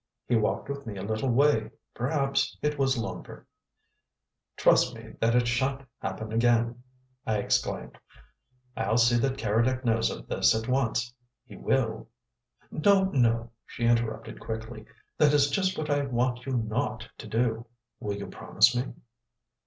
"He walked with me a little way perhaps It was longer " "Trust me that it sha'n't happen again!" I exclaimed. "I'll see that Keredec knows of this at once. He will " "No, no," she interrupted quickly, "that is just what I want you not to do. Will you promise me?"